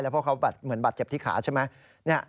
เพราะเขาเหมือนบาดเจ็บที่ขาใช่ไหม